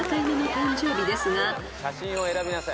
写真を選びなさい。